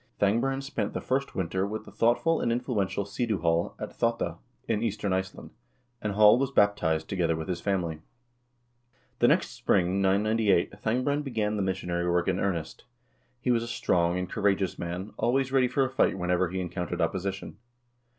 Thangbrand spent the first winter with the thoughtful and influential Sidu Hall at pottaa, in eastern Iceland, and Hall was baptized, together with his family. The next spring, 998, Thangbrand began the missionary work in earnest. He was a strong and courageous man, always ready for a fight whenever he encountered opposition.